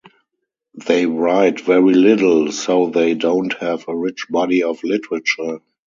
They write very little, so they don’t have a rich body of literature.